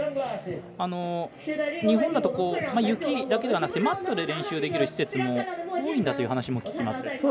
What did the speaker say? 日本だと雪だけではなくてマットで練習できる施設も多いんだという話も聞きます。